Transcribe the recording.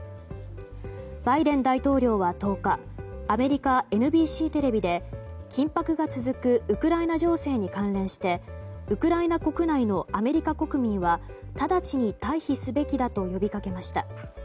バイデン大統領は１０日アメリカＮＢＣテレビで緊迫が続くウクライナ情勢に関連してウクライナ国内のアメリカ国民は直ちに退避すべきだと呼びかけました。